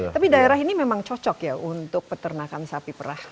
tapi daerah ini memang cocok ya untuk peternakan sapi perah